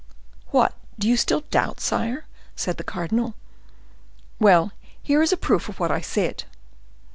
"What, do you still doubt, sire?" said the cardinal. "Well, here is a proof of what I said."